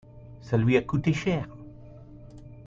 ça lui a coûté cher.